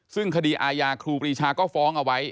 ซึ่งคดีอาญาครูปรีชาก็ฟ้องเอาไว้